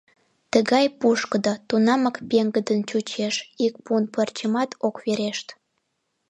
Тугай пушкыдо, тунамак пеҥгыдын чучеш, ик пун пырчымат ок верешт.